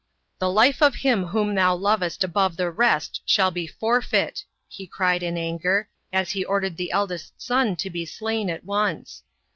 " The life of him whom thou lovest above the rest shall be forfeit," he cried in anger, as he prdered the eldest son to be slain at once.